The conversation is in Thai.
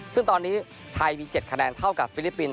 ซึ่งตอนนี้ไทยมี๗คะแนนเท่ากับฟิลิปปินส